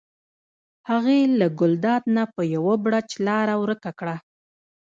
هغې له ګلداد نه په یو بړچ لاره ورکه کړه.